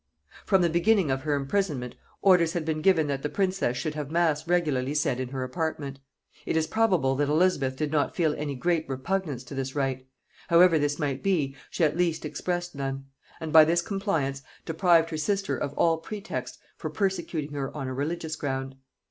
From the beginning of her imprisonment orders had been given that the princess should have mass regularly said in her apartment. It is probable that Elizabeth did not feel any great repugnance to this rite: however this might be, she at least expressed none; and by this compliance deprived her sister of all pretext for persecuting her on a religious ground.